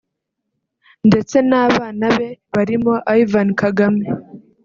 ndetse n’abana be barimo Ivan Kagame